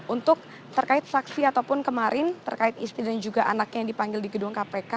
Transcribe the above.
untuk terkait saksi ataupun kemarin terkait istri dan juga anaknya yang dipanggil di gedung kpk